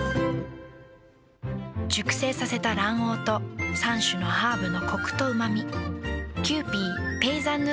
熟成させた卵黄と３種のハーブのコクとうま味。